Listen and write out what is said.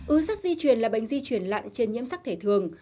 ưu sắc di truyền là bệnh di truyền lặn trên nhiễm sắc thể thường